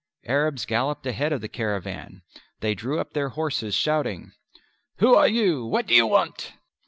Arabs galloped ahead of the caravan. They drew up their horses shouting, "Who are you? What do you want?"